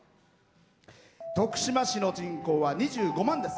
徳島市の人口は、２５万です。